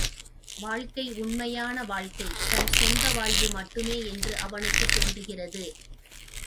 வாழ்க்கை உண்மையான வாழ்க்கை, தன் சொந்த வாழ்வு மட்டுமே என்று அவனுக்குத் தோன்றுகிறது.